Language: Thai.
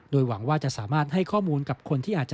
โดยหวังว่าจะสามารถให้ข้อมูลกับคนที่อาจจะ